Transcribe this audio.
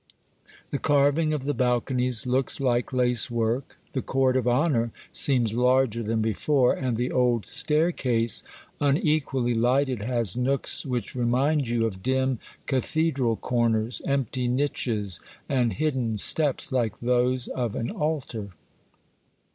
The carving of the balconies looks like lace work, the court of honor seems larger than before, and the old staircase, unequally lighted, has nooks which remind you of dim cathedral corners, empty niches and hidden steps like those of an altar.